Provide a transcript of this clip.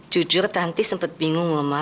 jujur tante sempat bingung ma